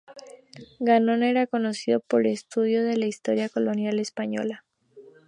Gannon era conocido por su estudio de la historia colonial española.